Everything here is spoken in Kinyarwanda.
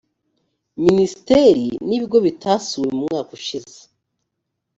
minisiteri n’ibigo bitasuwe mu mwaka ushize